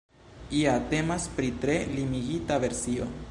Ja temas pri tre limigita versio.